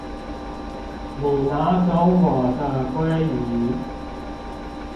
你拿走我的鮭魚